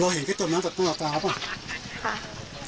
เราเห็นเขาจมน้ำจากตรงหลักจาวหรือเปล่า